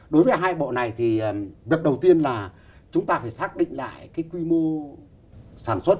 đối với hai bộ này thì việc đầu tiên là chúng ta phải xác định lại cái quy mô sản xuất